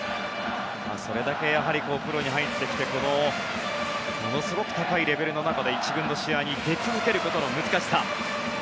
それだけプロに入ってきてものすごく高いレベルの中で１軍の試合に出続けることの難しさ。